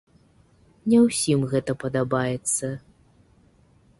Не ўсім гэта падабаецца.